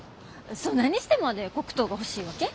そんなにしてまで黒糖が欲しいわけ？